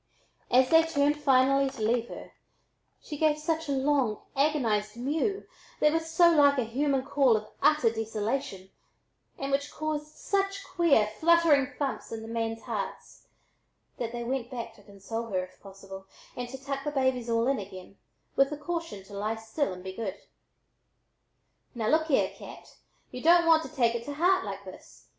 As they turned finally to leave her she gave a long agonized mew that was so like a human call of utter desolation, and which caused such queer fluttering thumps in the men's hearts, that they went back to console her, if possible, and to tuck the babies all in again, with the caution to lie still and be good. "Now look here, Cat, y'u don't want to take it to heart like this!